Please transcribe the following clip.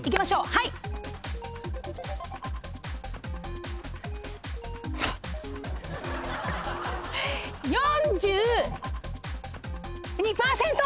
はい！４２％！